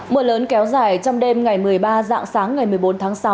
mưa lớn kéo dài trong đêm ngày một mươi ba dạng sáng ngày một mươi bốn tháng sáu